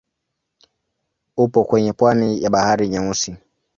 Upo kwenye pwani ya Bahari Nyeusi.